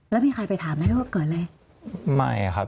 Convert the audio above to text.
แล้วมีใครไปถามให้ว่าเกิดอะไร